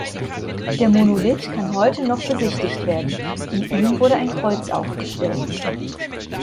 Der Monolith kann heute noch besichtigt werden; in ihm wurde ein Kreuz aufgestellt.